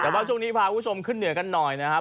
แต่ว่าช่วงนี้พาคุณผู้ชมขึ้นเหนือกันหน่อยนะครับ